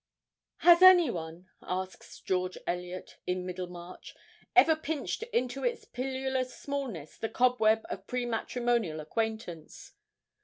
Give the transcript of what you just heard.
'Has any one,' asks George Eliot, in 'Middlemarch,' 'ever pinched into its pilulous smallness the cobweb of pre matrimonial acquaintance?'